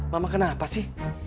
mama kenapa sih